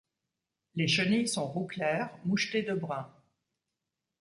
Les chenilles sont roux clair, mouchetées de brun.